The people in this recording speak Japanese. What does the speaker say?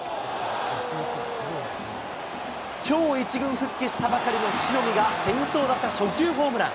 きょう１軍復帰したばかりの塩見が先頭打者、初球ホームラン。